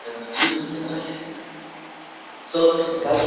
蒂尔米奇是奥地利施蒂利亚州莱布尼茨县的一个市镇。